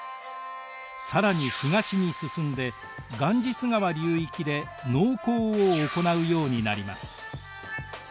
更に東に進んでガンジス川流域で農耕を行うようになります。